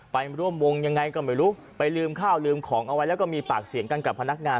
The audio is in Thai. ไปร่วมวงยังไงก็ไม่รู้ไปลืมข้าวลืมของเอาไว้แล้วก็มีปากเสียงกันกับพนักงาน